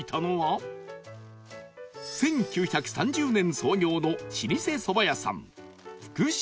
１９３０年創業の老舗そば屋さん福島屋